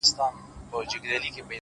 پرمختګ د نن له کوچنیو ګامونو جوړېږي.!